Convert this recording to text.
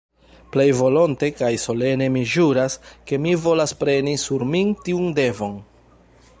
Plej volonte kaj solene mi ĵuras, ke mi volas preni sur min tiun devon.